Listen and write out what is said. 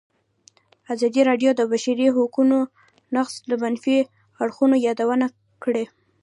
ازادي راډیو د د بشري حقونو نقض د منفي اړخونو یادونه کړې.